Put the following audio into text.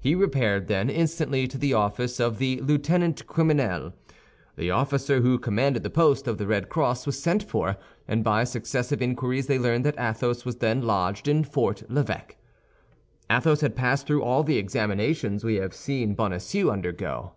He repaired, then, instantly to the office of the lieutenant criminel. The officer who commanded the post of the Red Cross was sent for, and by successive inquiries they learned that Athos was then lodged in Fort l'Evêque. Athos had passed through all the examinations we have seen Bonacieux undergo.